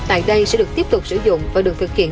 tại đây sẽ được tiếp tục sử dụng và được thực hiện